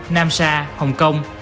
nam sa hồng kông